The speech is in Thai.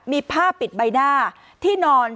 มีผ้าปิดใบหน้าที่นอน